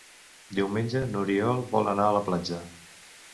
Diumenge n'Oriol vol anar a la platja.